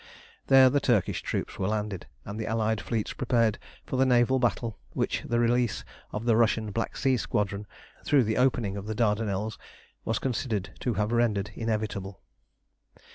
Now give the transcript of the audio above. There the Turkish troops were landed, and the Allied fleets prepared for the naval battle which the release of the Russian Black Sea Squadron, through the opening of the Dardanelles, was considered to have rendered inevitable.